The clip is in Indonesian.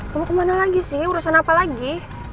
mau kemana lagi sih urusan apa lagi